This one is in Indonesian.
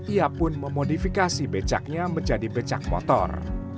ia pun memodifikasi becaknya menjadi becak motor